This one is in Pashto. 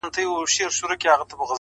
ذهن هغه څه تعقیبوي چې پرې تمرکز شي’